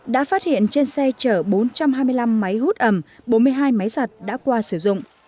đã phát hiện trên xe chở bốn trăm hai mươi năm máy hút ẩm bốn mươi hai máy giặt đã qua sử dụng